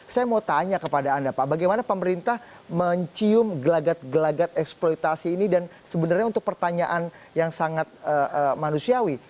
saya mau tanya kepada anda pak bagaimana pemerintah mencium gelagat gelagat eksploitasi ini dan sebenarnya untuk pertanyaan yang sangat manusiawi